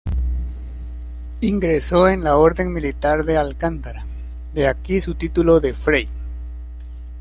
Ingresó en la orden militar de Alcántara; de aquí su título de "frey".